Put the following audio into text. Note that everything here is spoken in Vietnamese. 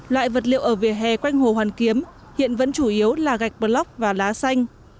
loại vật liệu ở vỉa hè quanh hồ hoàn kiếm hiện vẫn chủ yếu là gạch bờ lóc và lá xanh